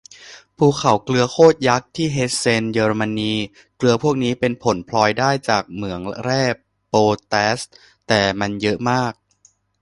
ภูเขาเกลือโคตรยักษ์ที่เฮสเซน เยอรมนี เกลือพวกนี้เป็นผลพลอยได้จากเหมืองแร่โปแตส แต่มันเยอะมาก